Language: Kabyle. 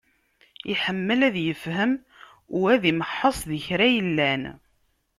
Iḥemmel ad yefhem u ad imeḥḥeṣ di kra yellan.